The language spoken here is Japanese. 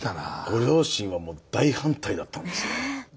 ご両親はもう大反対だったんですね。